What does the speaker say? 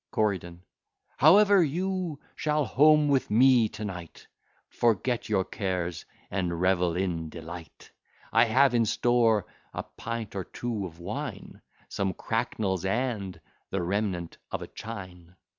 CORYDON However, you shall home with me to night, Forget your cares, and revel in delight, I have in store a pint or two of wine, Some cracknels, and the remnant of a chine.